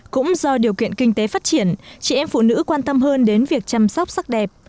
cũng do điều kiện kinh tế phát triển chị em phụ nữ quan tâm hơn đến việc chăm sóc sắc đẹp